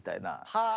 はあ。